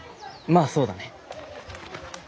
まあそうだね。